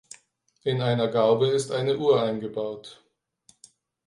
In einer Gaube ist eine Uhr eingebaut.